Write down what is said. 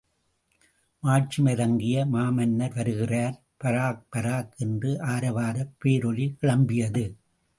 மாட்சிமை தங்கிய மாமன்னர் வருகிறார்!.. பராக்... பராக்! என்று ஆரவாரப் பேரொலி கிளம்பியது.